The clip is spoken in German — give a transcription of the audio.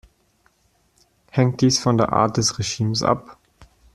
Hängt dies von der Art des Regimes ab?